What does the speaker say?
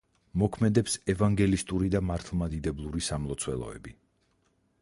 მოქმედებს ევანგელისტური და მართლმადიდებლური სამლოცველოები.